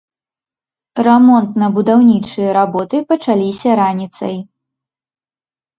Рамонтна-будаўнічыя работы пачаліся раніцай.